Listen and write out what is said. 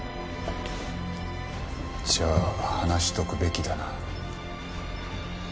じゃあ話しとくべきだな。